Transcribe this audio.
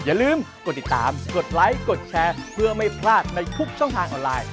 อย่าลืมกดติดตามกดไลค์กดแชร์เพื่อไม่พลาดในทุกช่องทางออนไลน์